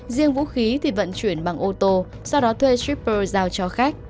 riêng vũ khí thì vận chuyển bằng ô tô sau đó thuê shipper giao cho khách